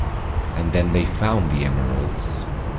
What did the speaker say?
And then they found the emeralds.